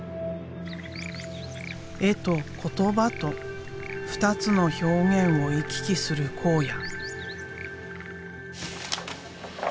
絵と言葉と二つの表現を行き来する考哉。